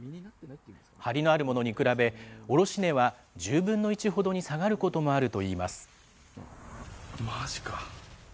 張りのあるものに比べ、卸値は１０分の１ほどに下がることもあるといいます。